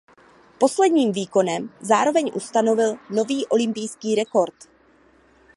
Posledním výkonem zároveň ustanovil nový olympijský rekord.